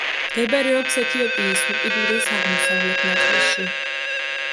მდებარეობს ეთიოპიის უკიდურეს აღმოსავლეთ ნაწილში.